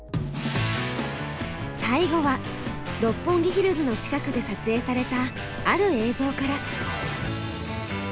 最後は六本木ヒルズの近くで撮影されたある映像から。